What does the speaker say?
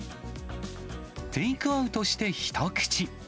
テイクアウトして一口。